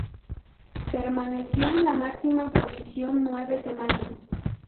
Permaneció en la máxima posición nueve semanas.